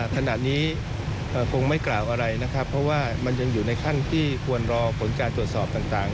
ขณะนี้คงไม่กล่าวอะไรนะครับเพราะว่ามันยังอยู่ในขั้นที่ควรรอผลการตรวจสอบต่าง